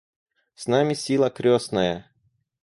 С нами сила крестная.